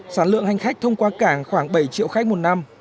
sản lượng hành khách thông qua cảng khoảng bảy triệu khách một năm